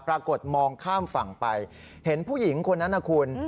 ปรากฏมองข้ามฝั่งไปเห็นผู้หญิงคนนั้นนะคุณ